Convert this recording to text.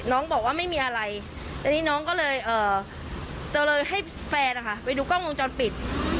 น้องบอกว่าไม่มีอะไรอันนี้น้องก็เลยจะเลยให้แฟนนะคะไปดูกล้องวงจรปิด